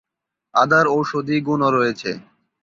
আদার ঔষধি গুণও রয়েছে।